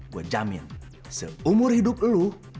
saya jamin seumur hidup anda